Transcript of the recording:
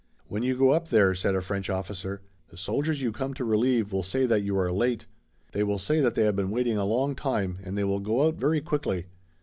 "When you go up there," said a French officer, "the soldiers you come to relieve will say that you are late. They will say that they have been waiting a long time and they will go out very quickly.